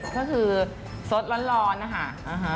ก็คือสดร้อนนะคะ